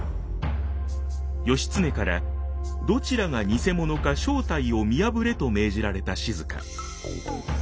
義経からどちらが偽者か正体を見破れと命じられた静。